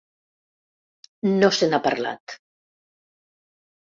No se n’ha parlat